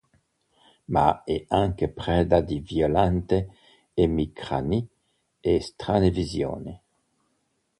Ma è anche preda di violente emicranie e strane visioni.